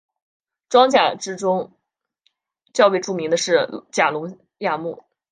装甲类之中较为著名的是甲龙亚目。